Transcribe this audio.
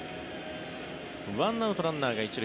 １アウト、ランナーが１塁。